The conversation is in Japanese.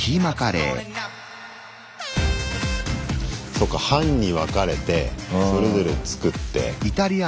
そっか班に分かれてそれぞれ作って。